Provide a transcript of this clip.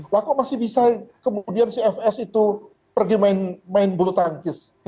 lah kok masih bisa kemudian si fs itu pergi main bulu tangkis